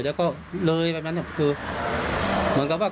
ก็เลยต้องรีบไปแจ้งให้ตรวจสอบคือตอนนี้ครอบครัวรู้สึกไม่ไกล